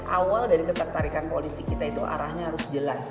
awal dari ketertarikan politik kita itu arahnya harus jelas